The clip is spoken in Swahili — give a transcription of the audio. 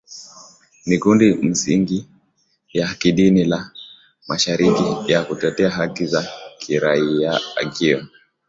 ni kundi la misingi ya kidini la mashirika ya kutetea haki za kiraiaakiwa